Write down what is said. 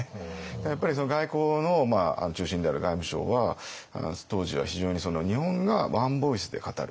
だからやっぱり外交の中心である外務省は当時は非常に日本がワンボイスで語る。